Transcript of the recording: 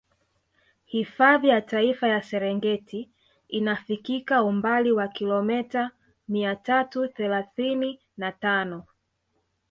Hifadhi ya Taifa ya Serengeti inafikika umbali wa kilomita mia tatu thelathini na tano